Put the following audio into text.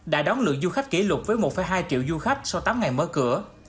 đã đón lượng du khách kỷ lục với một hai triệu du khách sau tám ngày mở cửa